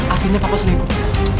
artinya papa selingkuh